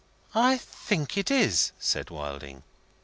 "I think it is," said Wilding.